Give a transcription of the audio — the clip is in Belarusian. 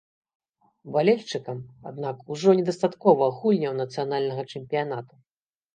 Балельшчыкам, аднак, ужо недастаткова гульняў нацыянальнага чэмпіянату.